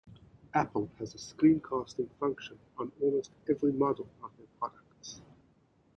Apple has a screencasting function on almost every model of their products.